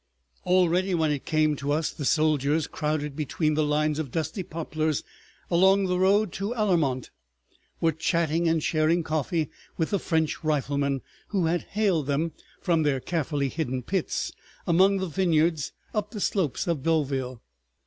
... Already, when it came to us, the soldiers, crowded between the lines of dusty poplars along the road to Allarmont, were chatting and sharing coffee with the French riflemen, who had hailed them from their carefully hidden pits among the vineyards up the slopes of Beauville.